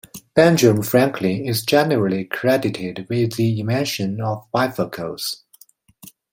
Benjamin Franklin is generally credited with the invention of bifocals.